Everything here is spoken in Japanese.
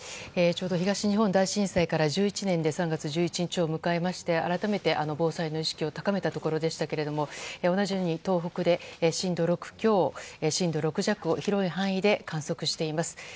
ちょうど東日本大震災から１１年となる３月１１日を迎え改めて、防災の意識を高めたところでしたけども同じように東北で震度６強、６弱を広い範囲で観測しています。